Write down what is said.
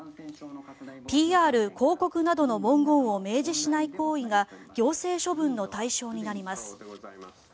ＰＲ、広告などの文言を明示しない行為が行政処分の対象になります。